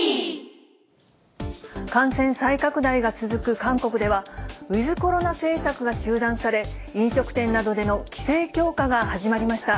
韓国では、ウィズコロナ政策が中断され、飲食店などでの規制強化が始まりました。